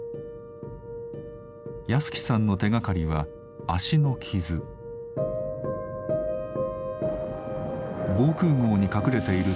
保喜さんの手がかりは防空壕に隠れている時